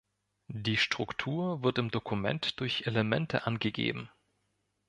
Die Struktur wird im Dokument durch Elemente angegeben.